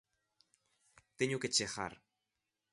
Teño que chegar.